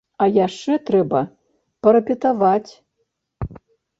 А яшчэ трэба парэпетаваць!